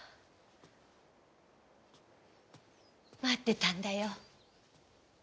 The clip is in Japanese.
待ってたんだよ。